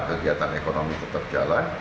kegiatan ekonomi tetap jalan